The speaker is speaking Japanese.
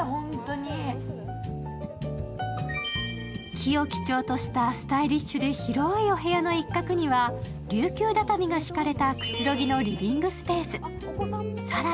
木を基調としたスタイリッシュで広いお部屋の一角には、琉球畳が敷かれたくつろぎのリビングスペース。